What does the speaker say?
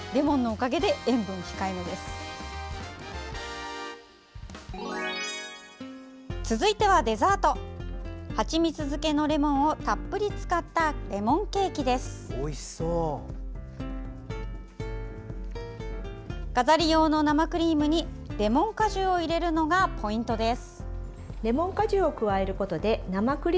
飾り用の生クリームにレモン果汁を入れるのがポイントです。